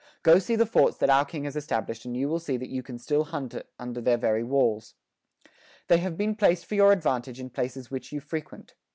Go see the forts that our king has established and you will see that you can still hunt under their very walls. They have been placed for your advantage in places which you frequent.